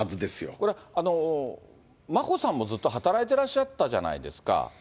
これ、眞子さんもずっと働いてらっしゃったじゃないですか。